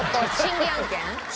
審議案件。